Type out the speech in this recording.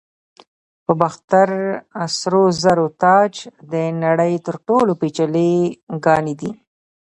د باختر سرو زرو تاج د نړۍ تر ټولو پیچلي ګاڼې دي